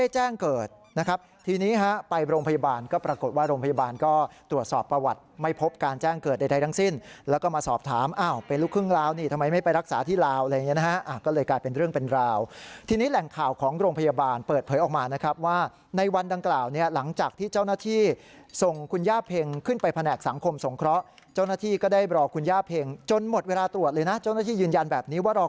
แจ้งเกิดใดใดทั้งสิ้นแล้วก็มาสอบถามเป็นลูกครึ่งลาวนี่ทำไมไม่ไปรักษาที่ลาวเลยนะฮะก็เลยกลายเป็นเรื่องเป็นราวทีนี้แหล่งข่าวของโรงพยาบาลเปิดเผยออกมานะครับว่าในวันดังกล่าวเนี่ยหลังจากที่เจ้าหน้าที่ส่งคุณย่าเพ็งขึ้นไปแผนกสังคมสงเคราะห์เจ้าหน้าที่ก็ได้รอคุณย่าเพ็งจนหมดเว